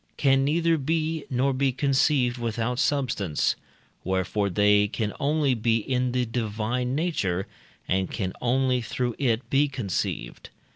can neither be, nor be conceived without substance; wherefore they can only be in the divine nature, and can only through it be conceived.